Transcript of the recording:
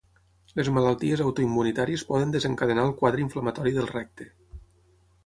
Les malalties autoimmunitàries poden desencadenar el quadre inflamatori del recte.